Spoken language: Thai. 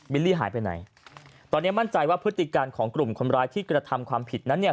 ลี่หายไปไหนตอนนี้มั่นใจว่าพฤติการของกลุ่มคนร้ายที่กระทำความผิดนั้นเนี่ย